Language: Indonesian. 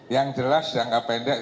yang jelas jangka pendek